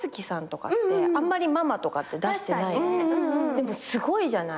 でもすごいじゃない？